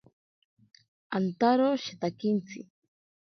Antaro shetakintsi.